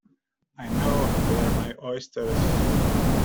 I know they are my oysters.